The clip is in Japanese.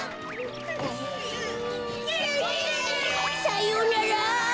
さようなら！